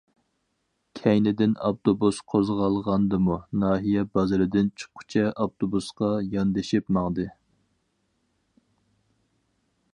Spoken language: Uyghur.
كەينىدىن، ئاپتوبۇس قوزغالغاندىمۇ ناھىيە بازىرىدىن چىققۇچە ئاپتوبۇسقا ياندىشىپ ماڭدى.